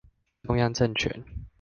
中央政權